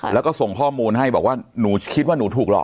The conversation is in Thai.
แล้วก็ส่งข้อมูลให้บอกว่าหนูคิดว่าหนูถูกหลอก